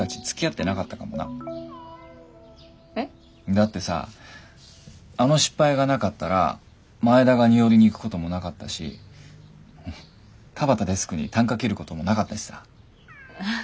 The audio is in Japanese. だってさあの失敗がなかったら前田が二折に行くこともなかったし田端デスクにたんか切ることもなかったしさ。